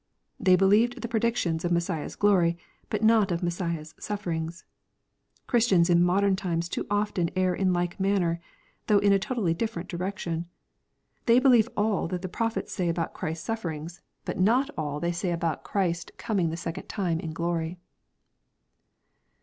They believed the predictions of Messiah's glory, but not of Messiah's sufferings. Christians in modern timeo too often tjrr in like manner, thougli in a totally different direction. They believe aJi that the oroptiets say about Christ's sufferings, but LUKE, CHAP. XXIV. 605 not aU that they say about Christ coining the second time in glory.